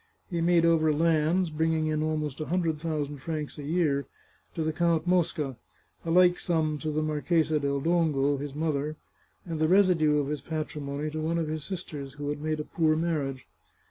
He made over lands, bringing in almost a hundred thousand francs a year, to the Countess Mosca, a like sum to the Mar chesa del Dongo, his mother, and the residue of his patri mony to one of his sisters, who had made a poor marriage.